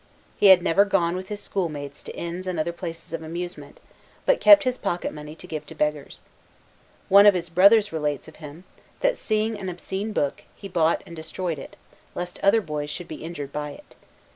He had never gone with his schoolmates to inns and other places of amusement, but kept his pocket money to give to beggars. One of his brothers relates of him, that, seeing an obscene book, he bought and destroyed it, lest other boys should be injured by it.